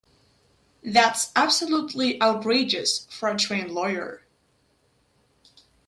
That's absolutely outrageous for a trained lawyer.